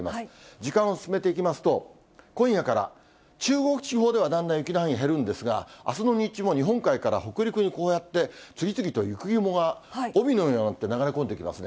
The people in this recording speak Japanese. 時間を進めていきますと、今夜から中国地方ではだんだん雪の範囲、減るんですが、あすの日中も日本海から北陸にこうやって次々と雪雲が帯のようになって流れ込んできますね。